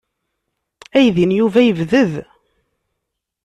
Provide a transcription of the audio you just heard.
Aydi n Yuba yebded.